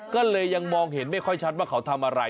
ก็เลยยังมองเห็นไม่ค่อยชัดว่าเขาทำอะไร